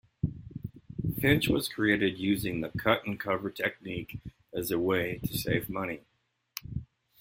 Finch was created using the cut-and-cover technique as a way to save money.